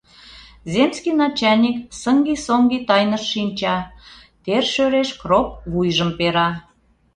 Земский начальник сыҥги-соҥги тайнышт шинча, тер шӧреш кроп вуйжым пера.